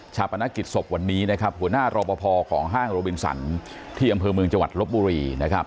ปนกิจศพวันนี้นะครับหัวหน้ารอปภของห้างโรบินสันที่อำเภอเมืองจังหวัดลบบุรีนะครับ